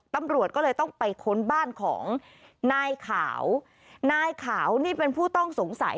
ตำรวจก็เลยต้องไปค้นบ้านของนายขาวนายขาวนี่เป็นผู้ต้องสงสัย